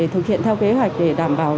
thực hiện theo kế hoạch để đảm bảo